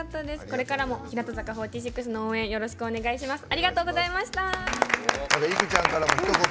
これからも日向坂４６の応援よろしくお願いします。